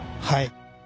はい。